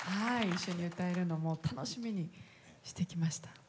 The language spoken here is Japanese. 一緒に歌えるのもう楽しみにしてきました。